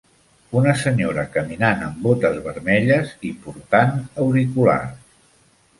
Una senyora caminant amb botes vermelles i portant auriculars.